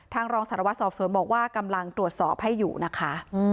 รองสารวัตรสอบสวนบอกว่ากำลังตรวจสอบให้อยู่นะคะ